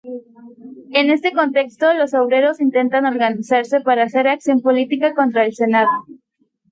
En este contexto, los obreros intentan organizarse para hacer acción política contra el Senado.